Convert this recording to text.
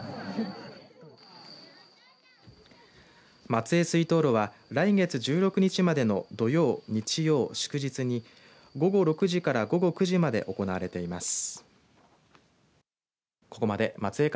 松江水燈路は来月１６日までの土曜、日曜、祝日に午後６時から午後９時まで行われています。